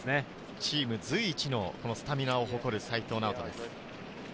チーム随一のスタミナを誇る齋藤直人です。